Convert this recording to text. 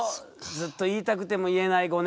ずっと言いたくても言えない５年。